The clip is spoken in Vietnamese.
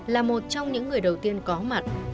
là một trong những người đầu tiên vô hiện trường